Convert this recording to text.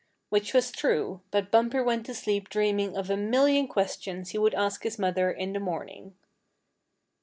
Which was true, but Bumper went to sleep dreaming of a million questions he would ask his mother in the morning.